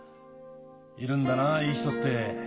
いるんだなあいい人って。